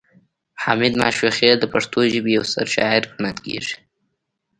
حمید ماشوخیل د پښتو ژبې یو ستر شاعر ګڼل کیږي